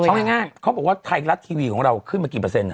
เอาง่ายเขาบอกว่าไทยรัฐทีวีของเราขึ้นมากี่เปอร์เซ็น